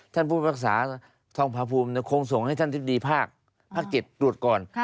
ท่านผู้รักษาทองพาภูมิคงส่งให้ท่านทิศดีภาค๗ตรวจก่อน